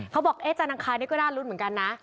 เขาบอกเอ๊ะจานังคานี่ก็น่ารุ้นเหมือนกันนะ